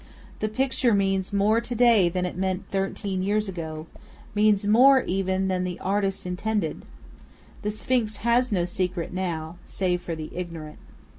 The picture means more to day than it meant thirteen years ago – means more, even, than the artist intended. The Sphinx has no secret now, save for the ignorant.